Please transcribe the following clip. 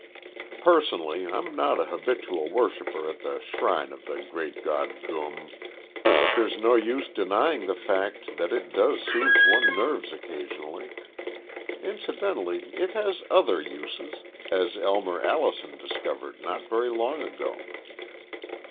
"Personally, I'm not a habitual worshiper at the shrine of the great god Goom, but there's no use denying the fact that it does soothe one's nerves occasionally. Incidentally, it has other uses as Elmer Allison discovered not very long ago."